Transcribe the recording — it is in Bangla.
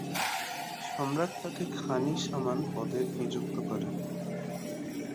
সম্রাট তাঁকে খান-ই-সামান পদে নিযুক্ত করেন।